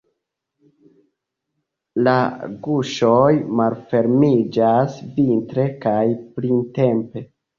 La guŝoj malfermiĝas vintre kaj printempe.